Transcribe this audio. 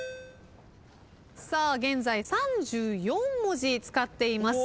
現在３４文字使っています。